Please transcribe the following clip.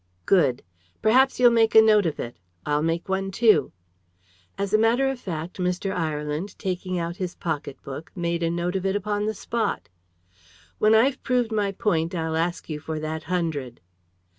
"Good! Perhaps you'll make a note of it. I'll make one too." As a matter of fact, Mr. Ireland, taking out his pocket book, made a note of it upon the spot. "When I've proved my point I'll ask you for that hundred."